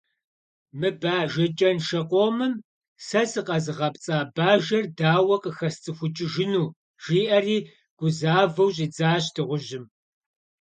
«Мы бажэ кӀэншэ къомым сэ сыкъэзыгъэпцӀа бажэр дауэ къахэсцӀыхукӀыжыну», – жиӀэри гузавэу щӀидзащ дыгъужьым.